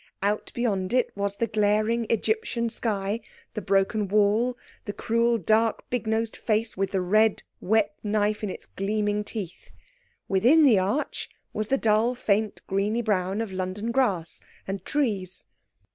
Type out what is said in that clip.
Out beyond it was the glaring Egyptian sky, the broken wall, the cruel, dark, big nosed face with the red, wet knife in its gleaming teeth. Within the arch was the dull, faint, greeny brown of London grass and trees.